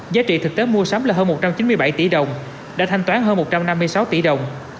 giá trị thực tế mua sắm là hơn một trăm chín mươi bảy tỷ đồng đã thanh toán hơn một trăm năm mươi sáu tỷ đồng